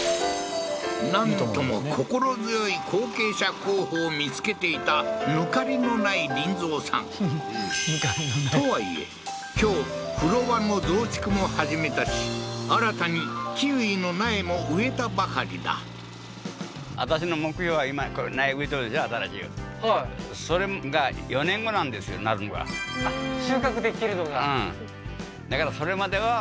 なんとも心強い後継者候補を見つけていた抜かりのない林三さんとはいえ今日風呂場の増築も始めたし新たにキウイの苗も植えたばかりだはいあっ収穫できるのが？